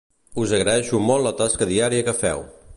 Us agraeixo molt la tasca diària que feu!